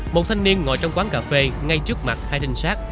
một thanh niên ngồi trong quán cà phê ngay trước mặt hai đình xác